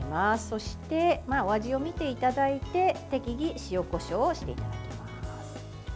そしてお味を見ていただいて適宜塩、こしょうをしていただきます。